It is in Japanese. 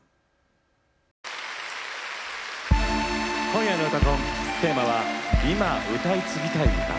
今夜の「うたコン」テーマは「今、歌い継ぎたい歌」。